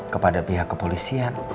kepada pihak kepolisian